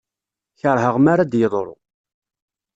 Kerheɣ mara d-yeḍru.